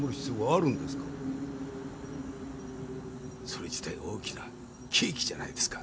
それ自体大きな喜劇じゃないですか。